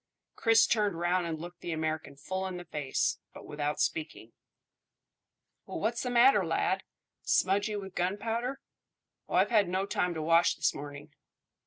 Chris turned round and looked the American full in the face, but without speaking. "Well, what's the matter, lad? Smudgy with gunpowder? Oh, I've had no time to wash this morning."